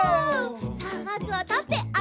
さあまずはたってあるきます。